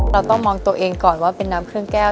เราต้องมองตัวเองก่อนว่าเป็นน้ำเครื่องแก้ว